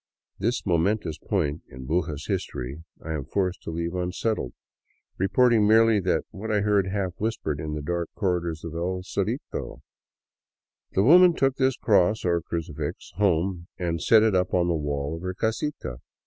This momentous point in Buga's history I am forced to leave unsettled, reporting merely what I heard half whispered in the dark corredor of El Cerrito. The woman took this cross — or crucifix — home and set it up on the wall of her casita.